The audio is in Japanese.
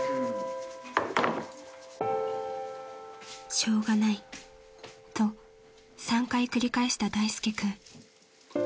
［「しょうがない」と３回繰り返した大介君］